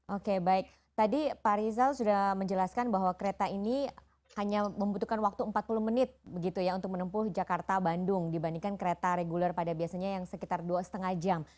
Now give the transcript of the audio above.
oke baik tadi pak rizal sudah menjelaskan bahwa kereta ini hanya membutuhkan waktu empat puluh menit begitu ya untuk menempuh jakarta bandung dibandingkan kereta reguler pada biasanya yang sekitar dua lima jam